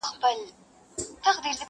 بوډا وویل پیسو ته نه ژړېږم!.